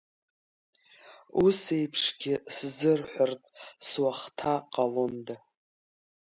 Ус еиԥшгьы сзырҳәартә суахҭа ҟалонда?